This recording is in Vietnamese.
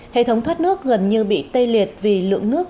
hệ thống thoát nước gần như bị tê liệt vì lượng nước